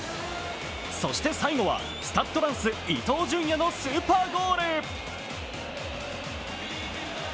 そして最後は、スタッド・ランス伊東純也のスーパーゴール！